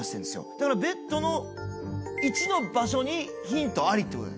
だからベッドの１の場所にヒントありってこと。